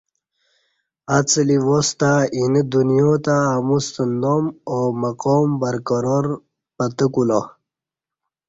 اڅلی واس تہ اینہ دنیا تہ اموستہ نام او مقام برقرار پتہ کولا